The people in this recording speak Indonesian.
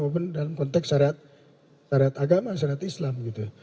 ataupun dalam konteks syariat agama syariat islam